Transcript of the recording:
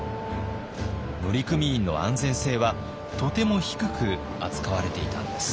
乗組員の安全性はとても低く扱われていたんです。